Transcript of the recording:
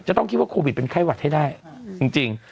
จะต้องคิดว่าโควิดเป็นไข้หวัดให้ได้จริง